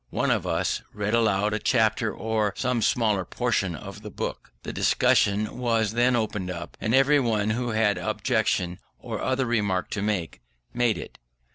One of us read aloud a chapter, or some smaller portion of the book. The discussion was then opened, and anyone who had an objection, or other remark to make, made it.